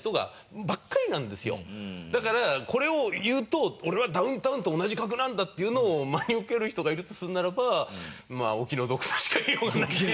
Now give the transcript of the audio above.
だからこれを言うと「俺はダウンタウンと同じ格なんだ」っていうのを真に受ける人がいるとするならばまあお気の毒としか言いようがない。